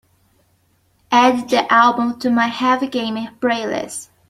Add the album to my Heavy Gamer playlist.